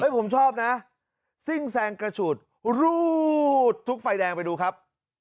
ผมชอบนะซิ่งแซงกระฉูดรูดทุกไฟแดงไปดูครับ